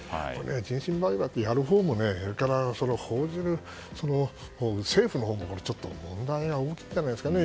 人身売買ってやるほうも報じる政府のほうも問題が大きいんじゃないですかね。